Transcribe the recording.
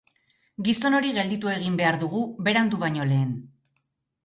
Gizon hori gelditu egin behar dugu berandu baino lehen.